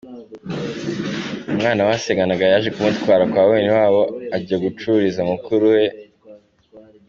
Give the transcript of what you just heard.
Umwana basenganaga yaje kumutwara kwa bene wabo, ajya gucururiza mukuru we.